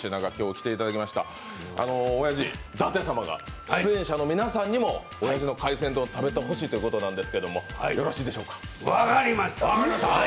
おやじ、舘様が出演者の皆さんにもおやじの海鮮丼食べてほしいということなんですけどよろしいでしょうか？